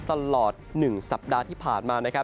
ตลอด๑สัปดาห์ที่ผ่านมานะครับ